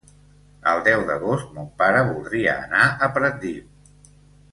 El deu d'agost mon pare voldria anar a Pratdip.